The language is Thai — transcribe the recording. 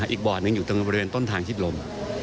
อีกบ่อหนึ่งอยู่ตรงบริเวณต้นทางชิดลม